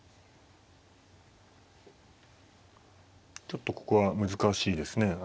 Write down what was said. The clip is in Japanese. ちょっとここは難しいですね。